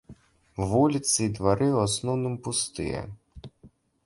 Вуліцы і двары ў асноўным пустыя.